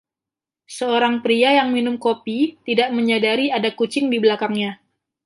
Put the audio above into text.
Seorang pria yang minum kopi tidak menyadari ada kucing di belakangnya.